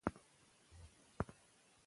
د ناروغ نښې باید د متخصص له نظره ارزول شي.